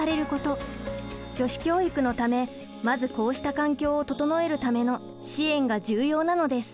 女子教育のためまずこうした環境を整えるための支援が重要なのです。